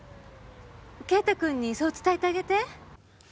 啓太君にそう伝えてあげて。